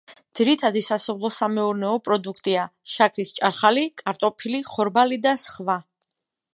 ძირითადი სასოფლო-სამეურნეო პროდუქტია: შაქრის ჭარხალი, კარტოფილი, ხორბალი და სხვა.